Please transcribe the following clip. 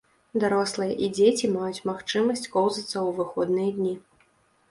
Дарослыя і дзеці маюць магчымасць коўзацца ў выходныя дні.